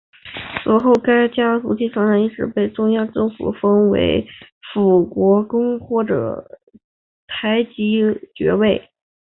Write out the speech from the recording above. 此后该家族继承人一直被中央政府封为辅国公或台吉爵位。